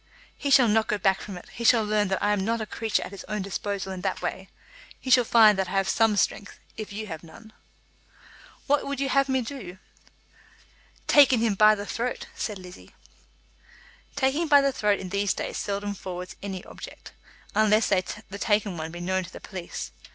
"He shall not go back from it. He shall learn that I am not a creature at his own disposal in that way. He shall find that I have some strength, if you have none." "What would you have had me do?" "Taken him by the throat," said Lizzie. "Taking by the throat in these days seldom forwards any object, unless the taken one be known to the police.